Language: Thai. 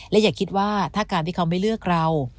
อย่าคิดว่าถ้าการที่เขาไม่เลือกเรา